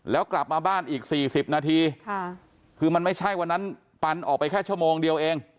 แล้วกลับมาบ้านอีก๔๐นาทีคือมันไม่ใช่วันนั้นปันออกไปแค่ชั่วโมงเดียวเอง